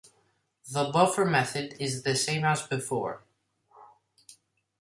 The buffer method is the same as before.